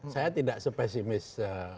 saya tidak spesimis